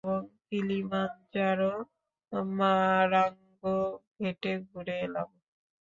আমি একদিন একটা জলপ্রপাত দেখলাম এবং কিলিমানজারো মারাংগু গেটে ঘুরে এলাম।